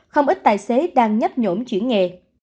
không ít tài xế đang nhấp nhổm chuyển nghề